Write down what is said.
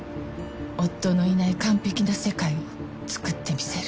夫のいない完璧な世界をつくってみせる。